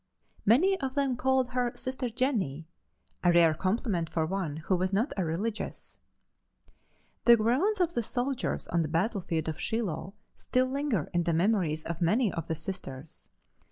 Many of them called her "Sister Jennie," a rare compliment for one who was not a religious. The groans of the soldiers on the battlefield of Shiloh still linger in the memories of many of the Sisters.